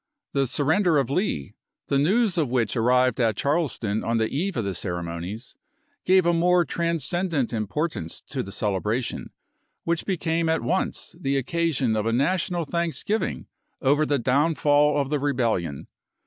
The surrender of Lee, the news of which arrived at Charleston on the eve of the ceremonies, gave a more transcendent importance to the celebra tion, which became at once the occasion of a national thanksgiving over the downfall of the rebellion.